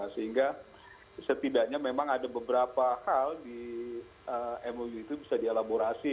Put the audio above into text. sehingga setidaknya memang ada beberapa hal di mou itu bisa dialaborasi